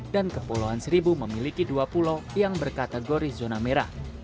dan kepulauan seribu memiliki dua pulau yang berkategori zona merah